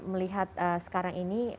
melihat sekarang ini